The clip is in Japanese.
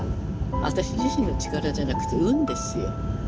私自身の力じゃなくて運ですよ。